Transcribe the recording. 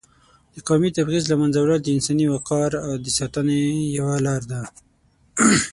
د قومي تبعیض له منځه وړل د انساني وقار د ساتنې یوه لار ده.